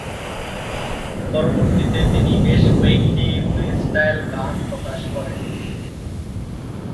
পরবর্তীতে তিনি বেশ কয়েকটি ফ্রিস্টাইল গান প্রকাশ করেন।